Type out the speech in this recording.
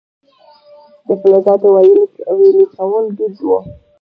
د فلزاتو ویلې کول دود و